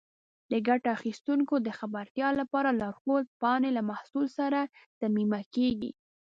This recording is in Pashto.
د ګټه اخیستونکو د خبرتیا لپاره لارښود پاڼې له محصول سره ضمیمه کېږي.